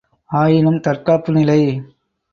ஆயினும் தற்காப்பு நிலை.